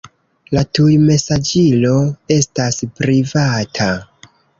La tujmesaĝilo estas privata.